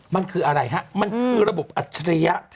มันคืออะไรฮะมันคือระบบอัจฉริยะ